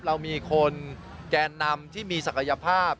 เรามีคนแกนนำที่มีศักยภาพ